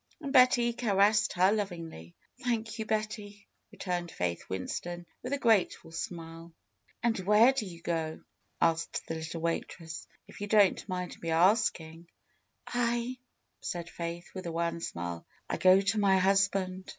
And Betty caressed her lov ingly. "Thank you, Betty," returned Faith Winston, with a grateful smile. 270 FAITH "And where do yon go?'^ asked the little waitress. "If you don't mind my asking." "I?" said Faith with a wan smile. "I go to my hus band."